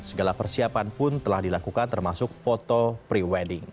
segala persiapan pun telah dilakukan termasuk foto pre wedding